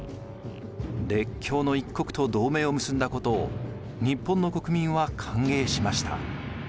列強の一国と同盟を結んだことを日本の国民は歓迎しました。